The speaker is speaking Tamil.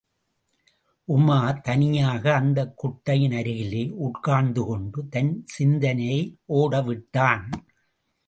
உமார், தனியாக அந்தக் குட்டையின் அருகிலே உட்கார்ந்துகொண்டு, தன் சிந்தனையை ஓட விட்டான்.